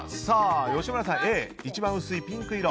吉村さん、Ａ一番薄いピンク色。